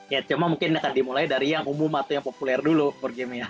ya cuma mungkin akan dimulai dari yang umum atau yang populer dulu worl gamia